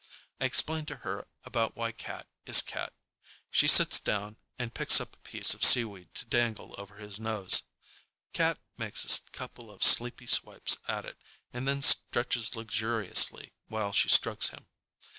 I explain to her about why Cat is Cat. She sits down and picks up a piece of seaweed to dangle over his nose. Cat makes a couple of sleepy swipes at it and then stretches luxuriously while she strokes him.